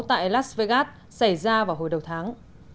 tại las vegas xảy ra vào hồi đầu tháng